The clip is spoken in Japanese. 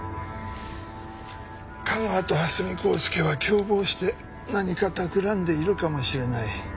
架川と蓮見光輔は共謀して何かたくらんでいるかもしれない。